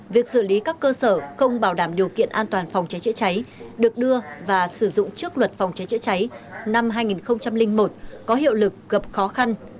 việc xử lý các cơ sở không bảo đảm điều kiện an toàn phòng cháy chữa cháy được đưa và sử dụng trước luật phòng cháy chữa cháy năm hai nghìn một có hiệu lực gặp khó khăn